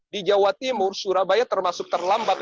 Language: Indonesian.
di jawa timur surabaya termasuk terlambat